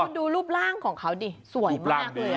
คุณดูรูปร่างของเขาดิสวยมากเลย